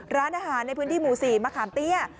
ร้านอาหารในพื้นที่หมู่๔มะขามเตี้ย